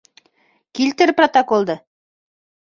Килтер протоколды!